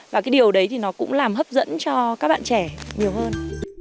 và cái điều đấy thì nó cũng làm hấp dẫn cho các bạn trẻ nhiều hơn